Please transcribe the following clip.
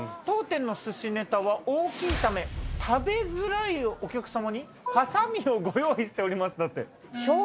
「当店の寿しネタは大きい為食べづらいお客様にハサミをご用意しております」だって。